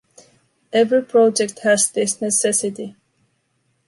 Every project has this necessity.